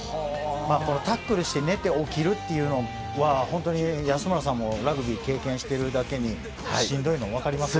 タックルして寝て起きるのは本当に安村さんもラグビーを経験しているだけにしんどいのは分かりますよね。